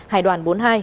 hải đoàn bốn mươi hai